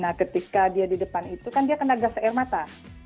nah ketika dia di depan itu kan dia kena gas air mata